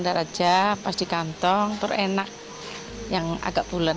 sender aja pas di kantong terenak yang agak bulan